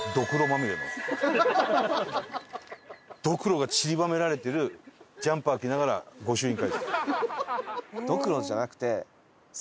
ドクロがちりばめられてるジャンパー着ながら御朱印書いてた。